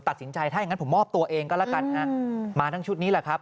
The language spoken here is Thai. ตัดสินใจถ้าอย่างงั้นผมมอบตัวเองก็แล้วกันฮะมาทั้งชุดนี้แหละครับ